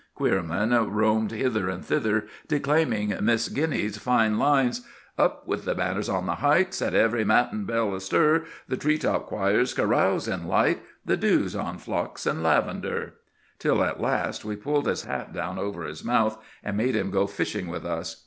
Queerman roamed hither and thither declaiming Miss Guiney's fine lines:— "Up with the banners on the height, Set every matin bell astir! The tree top choirs carouse in light; The dew's on phlox and lavender,"— till at last we pulled his hat down over his mouth, and made him go fishing with us.